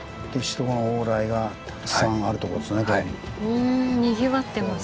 うんにぎわってますね。